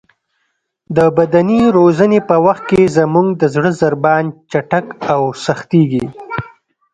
د بدني روزنې په وخت کې زموږ د زړه ضربان چټک او سختېږي.